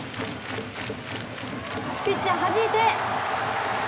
ピッチャーはじいて。